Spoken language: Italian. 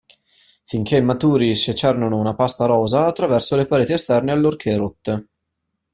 Finché immaturi secernono una pasta rosa attraverso le pareti esterne allorché rotte.